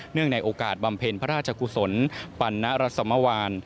เนื่องในโอกาสบำเพ็ญพระราชกุศลปันนะรัฐสมวาล